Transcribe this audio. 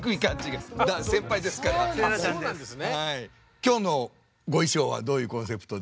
今日のご衣装はどういうコンセプトで？